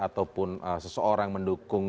ataupun seseorang mendukung